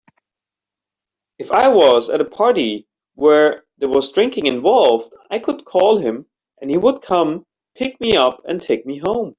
If I was at a party where there was drinking involved, I could call him and he would come pick me up and take me home.